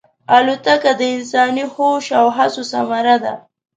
الوتکه د انساني هوش او هڅو ثمره ده.